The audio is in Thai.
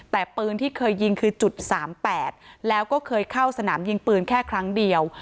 แต่ปืนที่เคยยิงคือจุด๓๘แล้วก็เคยเข้าสนามยิงปืนแค่ครั้งเดียว